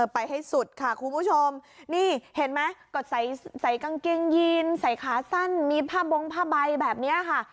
ไปให้สุดค่ะคุณผู้ชมนี่เห็นไหมก็ใส่กางเกงยีนใส่ขาสั้นมีผ้าบงผ้าใบแบบนี้ค่ะ